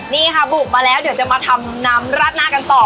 นี่ค่ะบุกมาแล้วเดี๋ยวจะมาทำน้ำราดหน้ากันต่อ